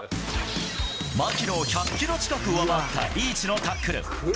槙野を１００キロ近く上回ったリーチのタックル。